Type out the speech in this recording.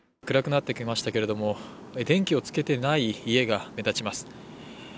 暗くなってきましたけれども、電気をつけていない家が目立ちます。